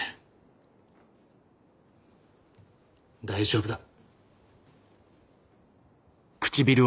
大丈夫だ。